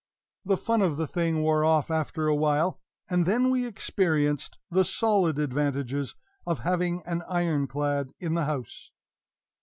The fun of the thing wore off after awhile, and then we experienced the solid advantages of having an Iron clad in the house.